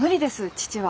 父は。